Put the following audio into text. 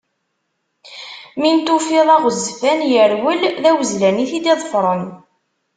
Mi n-tufiḍ aɣezzfan yerwel, d awezzlan i t-id-iḍefren.